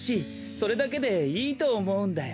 それだけでいいとおもうんだよ。